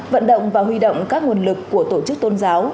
vận động và huy động các nguồn lực của tổ chức tôn giáo